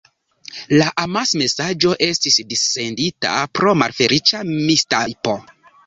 La amasmesaĝo estis dissendita pro malfeliĉa mistajpo.